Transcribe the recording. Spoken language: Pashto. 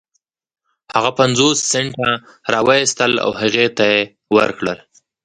هغه پنځوس سنټه را و ايستل او هغې ته يې ورکړل.